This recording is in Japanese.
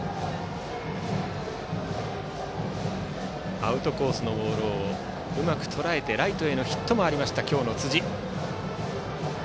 アウトコースのボールをうまくとらえてライトへのヒットもありました今日の辻。